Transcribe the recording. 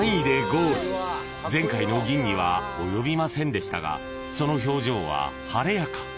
［前回の銀には及びませんでしたがその表情は晴れやか］